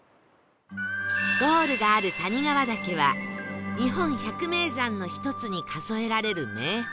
ゴールがある谷川岳は日本百名山の１つに数えられる名峰